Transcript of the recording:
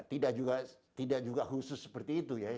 tidak juga khusus seperti itu ya